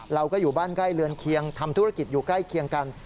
เราก็อยู่บ้านใกล้เรือนเคียงทำธุรกิจอยู่ใกล้เคียงกัน